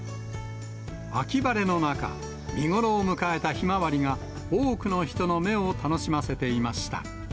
秋晴れの中、見頃を迎えたヒマワリが、多くの人の目を楽しませていました。